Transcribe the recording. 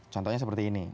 contohnya seperti ini